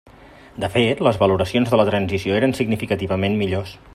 De fet, les valoracions de la transició eren significativament millors.